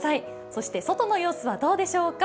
そして外の様子はどうでしょうか。